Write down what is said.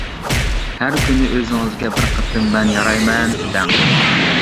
ھەر كۈنى ئۆزىڭىزگە بىر قېتىم «مەن يارايمەن! » دەڭ.